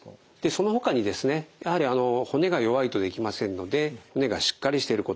そのほかにですねやはり骨が弱いとできませんので骨がしっかりしていること